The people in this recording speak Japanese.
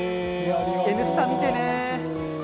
「Ｎスタ」見てね！